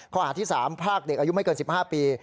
ข้อหาที่๓พรากเด็กอายุไม่เกิน๑๕ปี